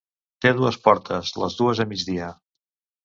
Té dues portes, les dues a migdia.